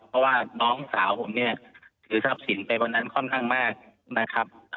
เพราะว่าน้องสาวผมเนี่ยถือทรัพย์สินไปวันนั้นค่อนข้างมากนะครับ